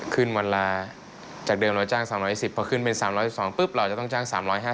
วันละจากเดิมเราจ้าง๓๑๐พอขึ้นเป็น๓๑๒ปุ๊บเราจะต้องจ้าง๓๕๐